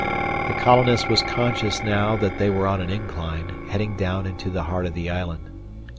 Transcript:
The colonist was conscious now that they were on an incline, heading down into the heart of the island.